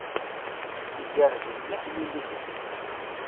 Igerrez mliḥ yinig-nni.